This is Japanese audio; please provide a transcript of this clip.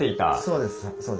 そうです。